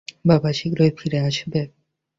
বাবা শীঘ্রই ফিরে আসবে।